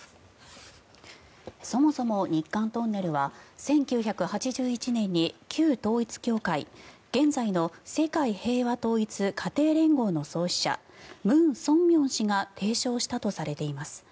そもそも日韓トンネルは１９８１年に旧統一教会、現在の世界平和統一家庭連合の創始者ムン・ソンミョン氏が提唱したとされています。